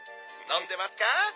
飲んでますか？」